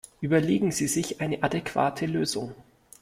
Überlegen Sie sich eine adäquate Lösung!